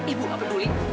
ibu apa dulu